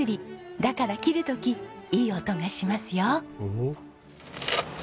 だから切る時いい音がしますよ！